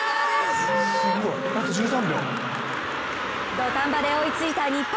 土壇場で追いついた日本。